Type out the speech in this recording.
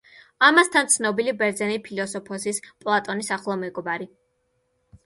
ამასთან ცნობილი ბერძენი ფილოსოფოსის, პლატონის ახლო მეგობარი.